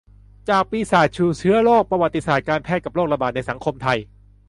จากปีศาจสู่เชื้อโรค : ประวัติศาสตร์การแพทย์กับโรคระบาดในสังคมไทย